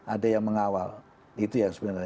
ada yang mengawal itu ya sebenarnya